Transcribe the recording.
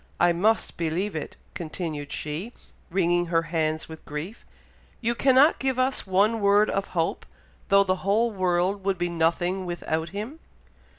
I must believe it!" continued she, wringing her hands with grief. "You cannot give us one word of hope, though the whole world would be nothing without him."